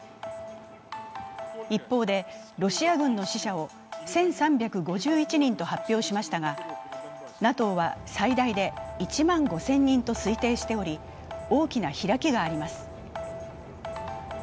一方で、ロシア軍の死者を１３５１人と発表しましたが、ＮＡＴＯは最大で１万５０００人と推定しており、大きな開きがあります。